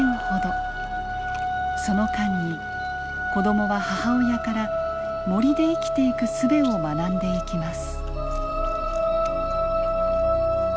その間に子どもは母親から森で生きていくすべを学んでいきます。